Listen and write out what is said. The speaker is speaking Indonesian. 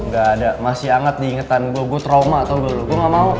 gak ada masih anget diingetan gua gua trauma tau gua dulu gua gak mau